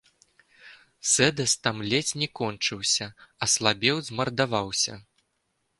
Сэдас там ледзь не кончыўся, аслабеў, змардаваўся.